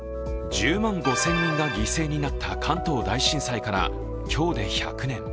１０万５０００人が犠牲になった関東大震災から今日で１００年。